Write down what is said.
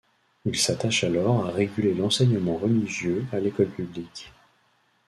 Il s'attache alors à réguler l'enseignement religieux à l'école publique.